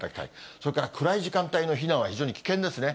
それから暗い時間帯の避難は非常に危険ですね。